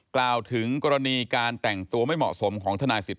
กล่าวถึงกรณีการแต่งตัวไม่เหมาะสมของทนายสิทธ